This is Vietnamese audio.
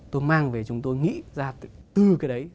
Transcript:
tôi mang về chúng tôi nghĩ ra từ cái đấy